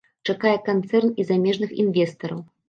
Чакае канцэрн і замежных інвестараў.